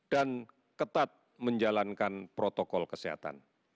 dan ketat menjalankan protokol kesehatan